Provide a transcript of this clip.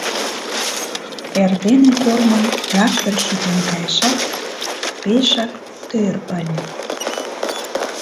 Эрдене корным трактор шӱкен кайышат, пешак тӧр ыле.